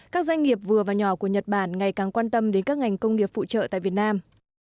các doanh nghiệp vừa và nhỏ của nhật bản ngày càng quan tâm đến các ngành công nghiệp phụ trợ tại việt nam